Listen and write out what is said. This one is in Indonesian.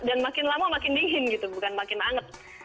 dan makin lama makin dingin gitu bukan makin hangat